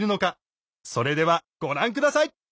それではご覧下さい！